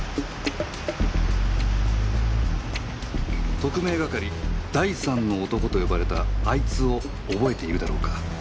特命係第三の男と呼ばれたあいつを覚えているだろうか